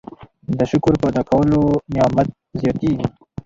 د شکر په ادا کولو نعمت زیاتیږي.